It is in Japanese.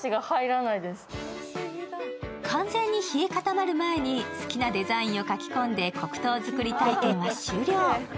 完全に冷え固まる前に好きなデザインを描き込んで黒糖作り体験は終了。